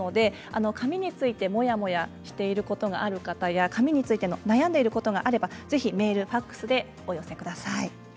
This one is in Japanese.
髪についてモヤモヤしていること悩んでいることがあればぜひメール、ファックスでお寄せください。